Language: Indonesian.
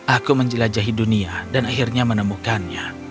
aku menjelajahi dunia dan akhirnya menemukannya